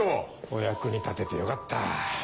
お役に立ててよかった。